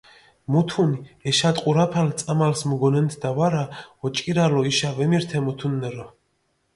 მუთუნი ეშატყურაფალი წამალს მუგონენთდა ვარა, ოჭკირალო იშა ვემირთე მუთუნნერო.